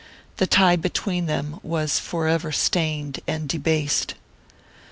The tie between them was forever stained and debased.